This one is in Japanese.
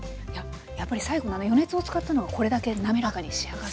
やっぱり最後のあの余熱を使ったのがこれだけ滑らかに仕上がるんですね。